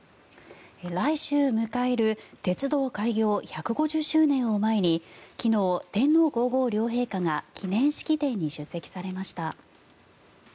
来週、迎える鉄道開業１５０周年を前に昨日、天皇・皇后両陛下が記念式典に出席されました。